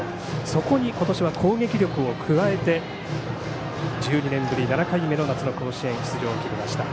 そこに今年は攻撃力を加えて１２年ぶり７回目の夏の甲子園出場を決めました。